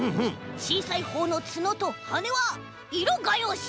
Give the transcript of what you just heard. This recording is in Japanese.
ちいさいほうのつのとはねはいろがようし。